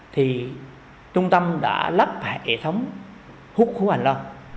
trung tâm đã lắp hệ thống hút khu hành lò